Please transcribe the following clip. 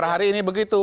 pada hari ini begitu